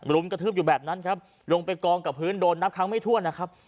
รุมกระทืบอยู่แบบนั้นครับลงไปกองกับพื้นโดนนับครั้งไม่ทั่วนะครับ